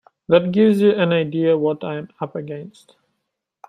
That gives you an idea of what I'm up against.